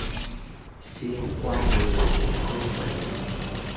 Xuyên qua người của cô vậy